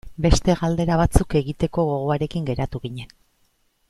Beste galdera batzuk egiteko gogoarekin geratu ginen.